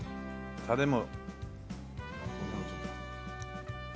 タレも。